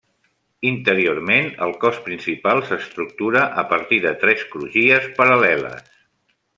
Interiorment el cos principal s'estructura a partir de tres crugies paral·leles.